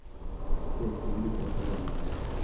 Se distribuye por todo el mundo.